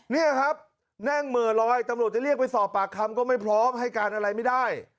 นี่ครับนั่งเหม่อลอยตำรวจจะเรียกไปสอบปากคำก็ไม่พร้อมให้การอะไรไม่ได้